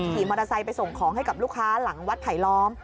ขี่มอเตอร์ไซค์ไปส่งของให้กับลูกค้าหลังวัดไผลล้อม